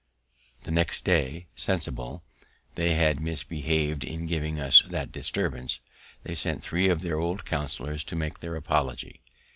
The next day, sensible they had misbehav'd in giving us that disturbance, they sent three of their old counselors to make their apology.